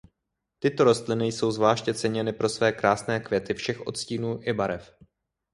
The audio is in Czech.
Tyto rostliny jsou zvláště ceněny pro své krásné květy všech odstínů i barev.